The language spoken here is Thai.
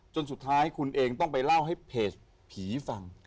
จนสุดท้ายคุณเองต้องไปเล่าให้เพจผีฟัง